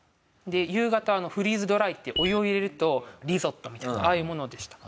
で夕方はフリーズドライってお湯を入れるとリゾットみたいなああいうものでした。